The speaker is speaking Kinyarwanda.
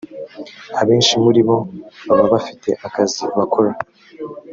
abenshi muri bo baba bafite akazi bakora